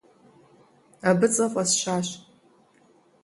Абы цӏэ фӀэсщащ.